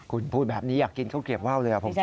คุณพูดแบบนี้อยากกินข้าวเกลียบว่าวเลย